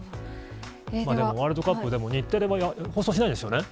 ワールドカップ、でも、日テレも放送しないんですよね。